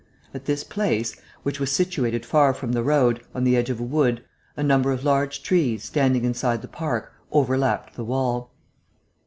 At this place, which was situated far from the road, on the edge of a wood, a number of large trees, standing inside the park, overlapped the wall.